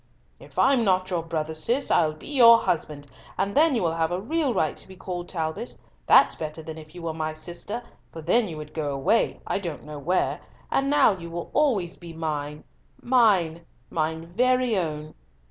"If I'm not your brother, Cis, I'll be your husband, and then you will have a real right to be called Talbot. That's better than if you were my sister, for then you would go away, I don't know where, and now you will always be mine—mine—mine very own."